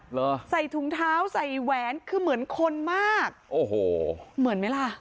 เหรอใส่ถุงเท้าใส่แหวนคือเหมือนคนมากโอ้โหเหมือนไหมล่ะ